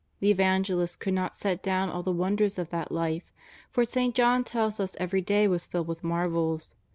The Evangelists could not set down all the wonders of that Life, for St. John tells us every day was filled with marvels.